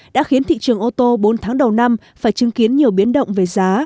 đã khiến thị trường ô tô bốn tháng đầu năm phải chứng kiến nhiều biến động về giá